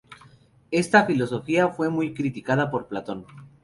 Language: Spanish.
Esta filosofía fue muy criticada por Platón.